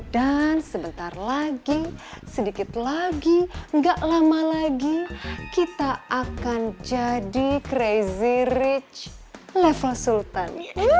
dan sebentar lagi sedikit lagi gak lama lagi kita akan jadi crazy rich level sultan